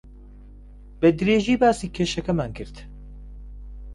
بەدرێژی باسی کێشەکەمان کرد.